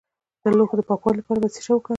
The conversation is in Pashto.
د لوښو د پاکوالي لپاره باید څه شی وکاروم؟